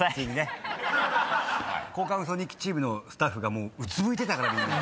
交換ウソ日記チームのスタッフがもううつむいてたからね。